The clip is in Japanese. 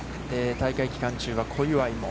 大会期間中は小祝も。